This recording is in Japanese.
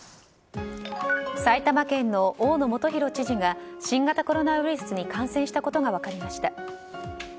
埼玉県の大野元裕知事が新型コロナウイルスに感染したことが分かりました。